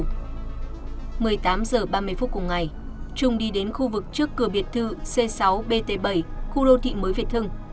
một mươi tám h ba mươi phút cùng ngày trung đi đến khu vực trước cửa biệt thự c sáu bt bảy khu đô thị mới việt hưng